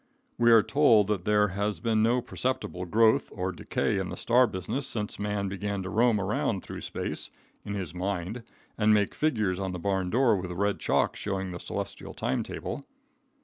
We are told that there has been no perceptible growth or decay in the star business since man began to roam around through space, in his mind, and make figures on the barn door with red chalk showing the celestial time table.